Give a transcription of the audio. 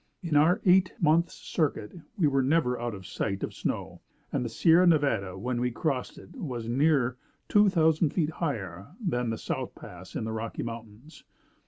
In our eight months' circuit, we were never out, of sight of snow; and the Sierra Nevada, where we crossed it, was near 2,000 feet higher than the South Pass in the Rocky Mountains.